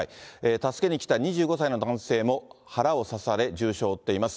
助けにきた２５歳の男性も腹を刺され重傷を負っています。